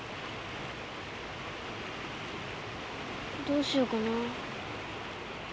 どうしようかな。